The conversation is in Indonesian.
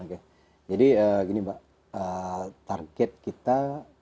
oke jadi gini mbak target kita